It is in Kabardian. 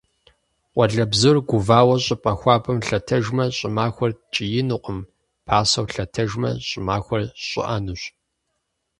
Къуалэбзур гувауэ щӏыпӏэ хуабэм лъэтэжмэ, щӏымахуэр ткӏиинукъым, пасэу лъэтэжмэ, щӏымахуэр щӏыӏэнущ.